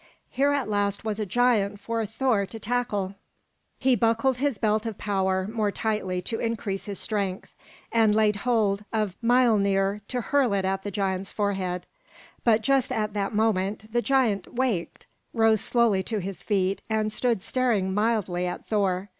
Here at last was a giant for Thor to tackle. He buckled his belt of power more tightly to increase his strength, and laid hold of Miölnir to hurl it at the giant's forehead; but just at that moment the giant waked, rose slowly to his feet, and stood staring mildly at Thor.